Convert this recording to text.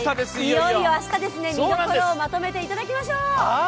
いよいよ明日ですね、見どころをまとめていただきましょう。